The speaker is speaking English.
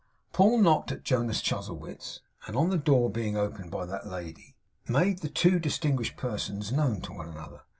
Paul knocked at Jonas Chuzzlewit's; and, on the door being opened by that lady, made the two distinguished persons known to one another.